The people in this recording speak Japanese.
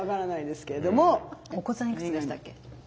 お子さんいくつでしたっけ？